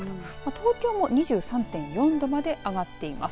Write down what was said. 東京も２３．４度まで上がっています。